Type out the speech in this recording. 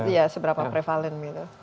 ya seberapa prevalent gitu